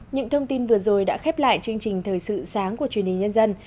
những thông tin vừa rồi đã khép lại chương trình thời sự sáng của truyền hình nhân dân